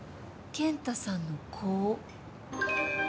健太さんの子を。